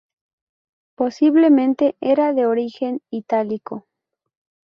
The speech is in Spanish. Posiblemente era de origen itálico.